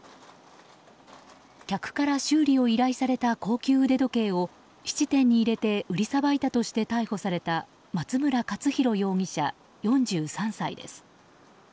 客から修理を依頼された高級腕時計を質店に入れて売りさばいたとして逮捕された松村勝弘容疑者、４３歳です。